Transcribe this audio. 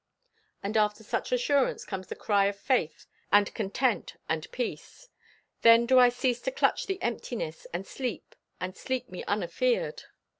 And after such assurance comes the cry of faith and content and peace: Then do I cease to clutch the emptiness, And sleep, and sleep me unafeared!